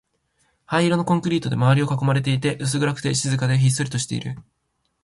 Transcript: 灰色のコンクリートで周りを囲まれていて、薄暗くて、静かで、ひっそりとしている